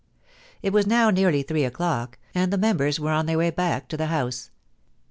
It was now nearly three o'clock, and members were on their way back to the House.